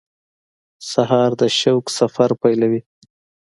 سهار د شوق سفر پیلوي.